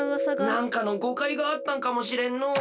なんかのごかいがあったんかもしれんのう。